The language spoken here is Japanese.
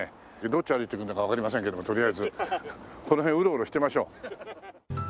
どっち歩いて行くんだかわかりませんけどもとりあえずこの辺うろうろしてましょう。